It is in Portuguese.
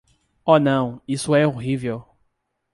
Oh não, isso é horrível!